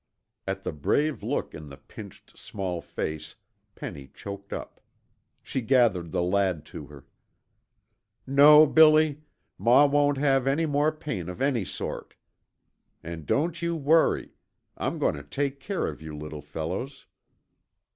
At the brave look in the pinched, small face, Penny choked up. She gathered the lad to her. "No, Billy, Maw won't have any more pain of any sort, and don't you worry. I'm going to take care of you little fellows."